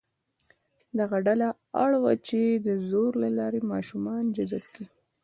دغه ډله اړ وه چې د زور له لارې ماشومان جذب کړي.